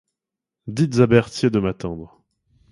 Dites à Berthier de m'attendre.